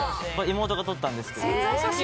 妹が撮ったんですけど。